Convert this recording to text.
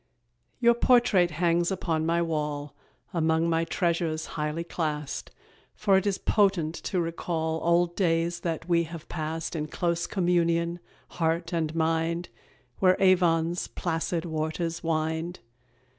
Your portrait hangs upon my wall, Among my treasures highly classed, For it is potent to recall Old days that we have passed In close communion, heart and mind, Where Avon's placid waters wind.